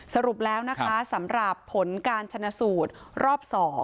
สรุปแล้วนะคะสำหรับผลการชนะสูตรรอบ๒